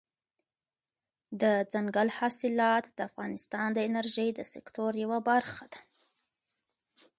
دځنګل حاصلات د افغانستان د انرژۍ د سکتور یوه برخه ده.